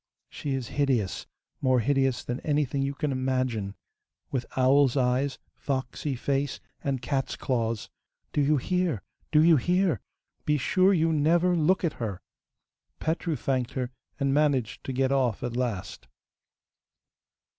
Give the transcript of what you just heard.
She is hideous, more hideous than anything you can imagine, with owl's eyes, foxy face, and cat's claws. Do you hear? do you hear? Be sure you never look at her.' Petru thanked her, and managed to get off at last.